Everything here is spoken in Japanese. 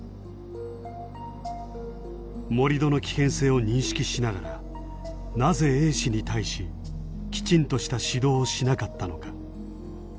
盛り土の危険性を認識しながらなぜＡ氏に対しきちんとした指導をしなかったのか？